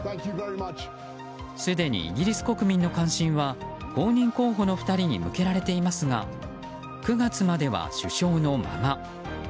すでにイギリス国民の関心は後任候補の２人に向けられていますが９月までは首相のまま。